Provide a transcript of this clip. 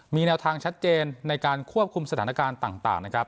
มีแนวทางชัดเจนในการควบคุมสถานการณ์ต่างนะครับ